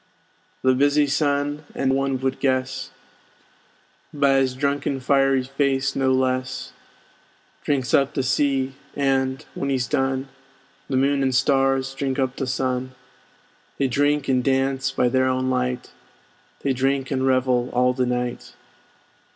The busy Sun (and one would guess By 's drunken fiery face no less) Drinks up the sea, and, when he's done, The Moon and Stars drink up the Sun: They drink and dance by their own light; They drink and revel all the night.